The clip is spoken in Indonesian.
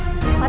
mari masuk pak